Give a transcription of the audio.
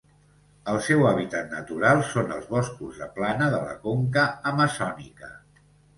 El seu hàbitat natural són els boscos de plana de la conca amazònica.